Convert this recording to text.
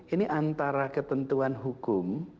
ini antara ketentuan hukum